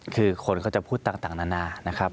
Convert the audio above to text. คือคนก็จะพูดต่างนานานะครับ